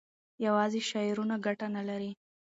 یوازې شعارونه ګټه نه لري.